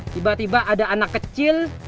tiba tiba ada anak kecil